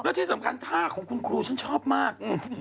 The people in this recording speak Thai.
ที่สำคัญท่าของคุณครูฉันชอบมาก